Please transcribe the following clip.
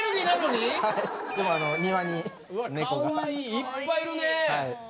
いっぱいいるね。